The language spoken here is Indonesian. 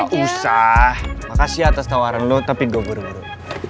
ya saya kasih atas tawaran lo tapi gue buru buru